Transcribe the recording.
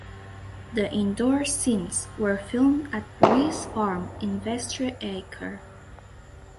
The indoor scenes were filmed at Riis farm in Vestre Aker.